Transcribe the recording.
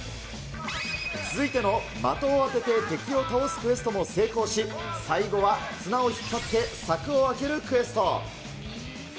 続いての的を当てて敵を倒すクエストも成功し、最後は綱を引っ張って、柵を開けるクエスト。